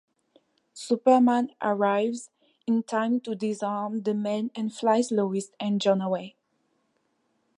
Superman arrives in time to disarm the men and flies Lois and Jon away.